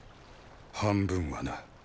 半分はな。